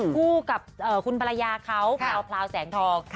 คู่กับคุณภรรยาเขาพราวแสงทอง